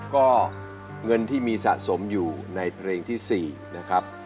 ก็เงินที่มีสะสมอยู่ในเพลงที่๔นะครับ